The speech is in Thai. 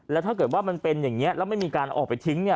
แล้วถ้าเกิดว่ามันเป็นอย่างนี้แล้วไม่มีการออกไปทิ้งเนี่ย